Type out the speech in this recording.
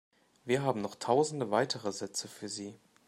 Wir haben noch tausende weitere Sätze für Sie.